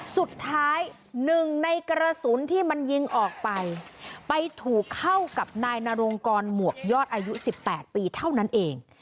สุดท้ายหนึ่งในกระสุนที่มันยิงออกไปไปถูกเข้ากับนายนรงกรหมวกยอดอายุ๑๘ปีเท่านั้นเอง